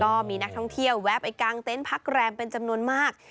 ก็มีนักท่องเที่ยวแวะไปกางเต็นต์พักแรมเป็นจำนวนมาก